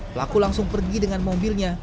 pelaku langsung pergi dengan mobilnya